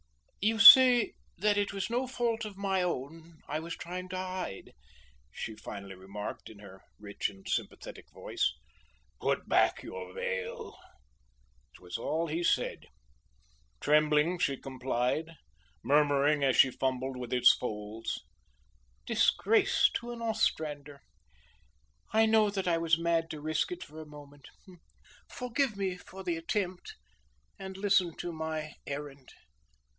"You see that it was no fault of my own I was trying to hide," she finally remarked in her rich and sympathetic voice. "Put back your veil." It was all he said. Trembling she complied, murmuring as she fumbled with its folds: "Disgrace to an Ostrander! I know that I was mad to risk it for a moment. Forgive me for the attempt, and listen to my errand.